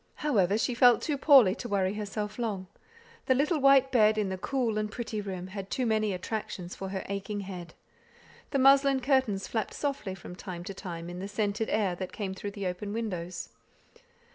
However, she felt too poorly to worry herself long; the little white bed in the cool and pretty room had too many attractions for her aching head. The muslin curtains flapped softly from time to time in the scented air that came through the open windows.